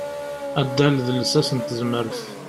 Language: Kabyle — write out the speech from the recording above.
Addal d lsas n tezmert.